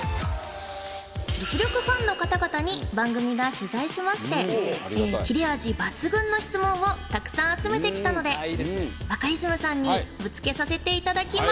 実力ファンの方々に番組が取材しまして切れ味抜群の質問をたくさん集めてきたのでバカリズムさんにぶつけさせていただきます